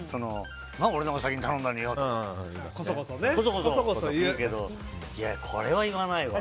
俺のほうが先に頼んだのによってこそこそ言うけどこれは言わないわ。